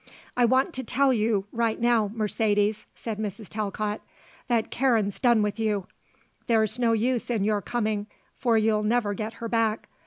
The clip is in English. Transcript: "I want to tell you, right now, Mercedes," said Mrs. Talcott, "that Karen's done with you. There's no use in your coming, for you'll never get her back.